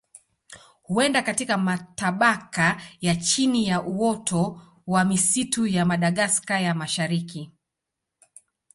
Huenda katika matabaka ya chini ya uoto wa misitu ya Madagaska ya Mashariki.